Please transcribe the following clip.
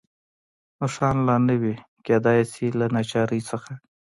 نښان لا نه وي، کېدای شي له ناچارۍ نه.